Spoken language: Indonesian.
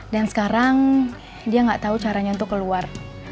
dan sekarang dia gak tahu caranya untuk keluar